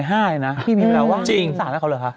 บ๊ายบีม่าว่านิ้วสนน่ะเขาเหรอคะ